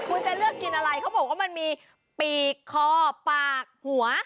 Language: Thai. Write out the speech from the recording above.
คุณจะเลือกกินอะไรเขาบอกว่ามันมีปีกคอปากหัว